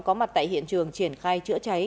có mặt tại hiện trường triển khai chữa cháy